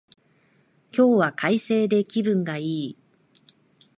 今日は快晴で気分がいい